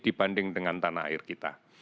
dibanding dengan tanah air kita